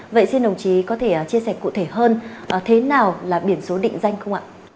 vậy xin đồng chí có thể chia sẻ cụ thể hơn thế nào là biển số định danh không ạ